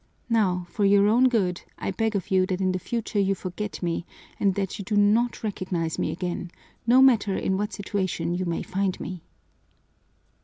Now, for your own good, I beg of you that in the future you forget me and that you do not recognize me again, no matter in what situation you may find me."